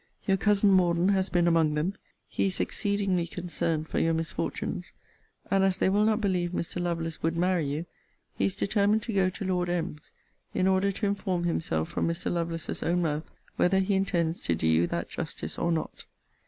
Your cousin Morden has been among them. He is exceedingly concerned for your misfortunes; and as they will not believe Mr. Lovelace would marry you, he is determined to go to Lord M.'s, in order to inform himself from Mr. Lovelace's own mouth, whether he intends to do you that justice or not.